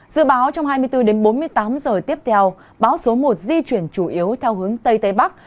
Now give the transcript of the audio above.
dự báo trong hai mươi bốn bốn mươi tám h tiếp theo báo số một di chuyển chủ yếu theo hướng tây tây bắc